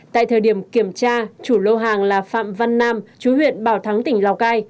tại thời điểm kiểm tra chủ lô hàng là phạm văn nam chú huyện bảo thắng tỉnh lào cai